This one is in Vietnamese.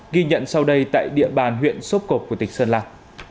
ghi nhận sau đây tại địa bàn huyện xốp cộp của tỉnh sơn lạc